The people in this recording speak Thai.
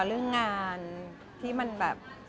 เรื่องงานที่มันแบบ